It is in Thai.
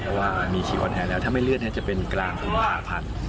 เพราะว่ามีชีคอนแอร์แล้วถ้าไม่เลื่อนจะเป็นกลางกุมภาพันธ์